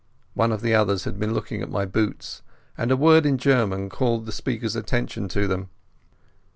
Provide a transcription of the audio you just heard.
One of the others had been looking at my boots, and a word in German called the speaker's attention to them.